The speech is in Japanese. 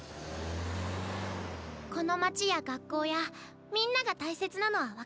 この町や学校やみんなが大切なのは分かるよ。